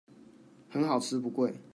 很好吃不貴